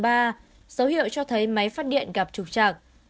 dấu hiệu cho thấy máy phát điện gặp trục trạc